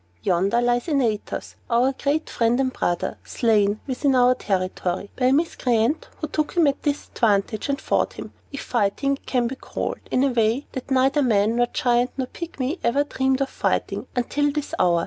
Yonder lies Antaeus, our great friend and brother, slain, within our territory, by a miscreant who took him at disadvantage, and fought him (if fighting it can be called) in a way that neither man, nor Giant, nor Pygmy ever dreamed of fighting, until this hour.